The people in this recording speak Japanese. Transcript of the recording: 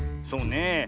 そうねえ。